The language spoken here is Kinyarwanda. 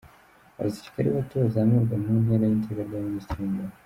Abasirikare Bato bazamurwa mu ntera n’iteka rya Minisitiri w’Ingabo.